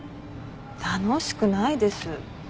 楽しくないです。